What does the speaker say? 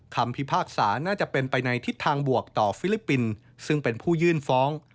พิพากษาน่าจะเป็นไปในทิศทางบวกต่อฟิลิปปินส์ซึ่งเป็นผู้ยื่นฟ้อง